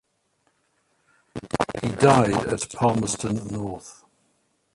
He died at Palmerston North.